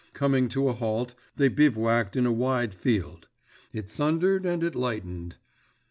Coming to a halt, they bivouacked in a wide field. It thundered and it lightened.